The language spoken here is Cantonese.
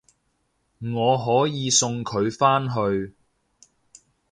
我可以送佢返去